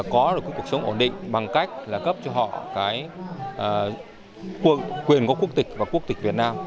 có được cái cuộc sống ổn định bằng cách là cấp cho họ cái quyền của quốc tịch và quốc tịch việt nam